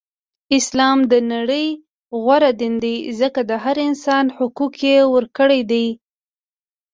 اسلام د نړی غوره دین دی ځکه د هر انسان حقوق یی ورکړی دی.